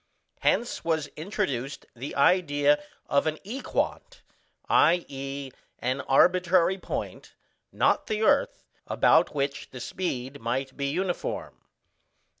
Hence was introduced the idea of an Equant, i.e. an arbitrary point, not the earth, about which the speed might be uniform.